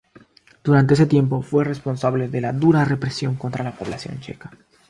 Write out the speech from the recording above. Durante ese tiempo fue responsable de la dura represión contra la población checa.